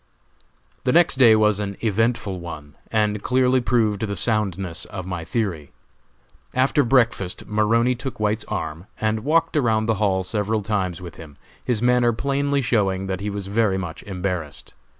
The next day was an eventful one, and clearly proved the soundness of my theory. After breakfast Maroney took White's arm, and walked around the hall several times with him, his manner plainly showing that he was very much embarrassed.